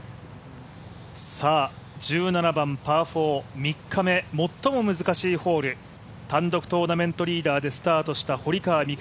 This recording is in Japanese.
１７番パー４、３日目、最も難しいホール、単独トーナメントリーダーでスタートした堀川未来